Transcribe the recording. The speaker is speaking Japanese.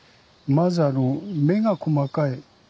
まずあの目が細かい。